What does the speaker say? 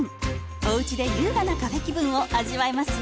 おうちで優雅なカフェ気分を味わえますよ。